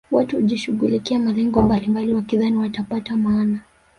watu hushughulikia malengo mbalimbali wakidhania watapata maana